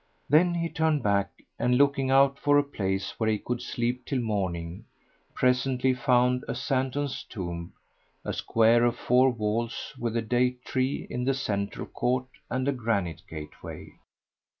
Then he turned back and, looking out for a place where he could sleep till morning, presently found a Santon's tomb, a square of four walls with a date tree in the central court and a granite gateway.